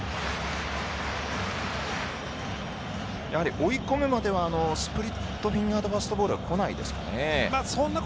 追い込むまではスプリットフィンガードファストボールはこないですかね。